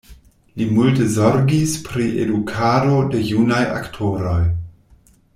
Li multe zorgis pri edukado de junaj aktoroj.